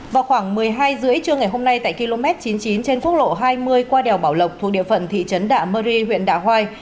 vào khoảng một mươi hai h ba mươi trưa ngày hôm nay tại km chín mươi chín trên quốc lộ hai mươi qua đèo bảo lộc thuộc địa phận thị trấn đạ mơ ri huyện đạ hoai